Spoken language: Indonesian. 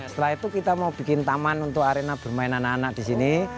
setelah itu kita mau bikin taman untuk arena bermain anak anak di sini